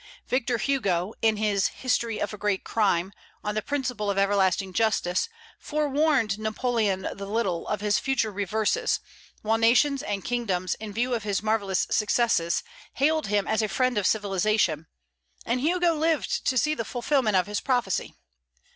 Victor Hugo, in his "History of a Great Crime," on the principle of everlasting justice, forewarned "Napoleon the Little" of his future reverses, while nations and kingdoms, in view of his marvellous successes, hailed him as a friend of civilization; and Hugo lived to see the fulfilment of his prophecy.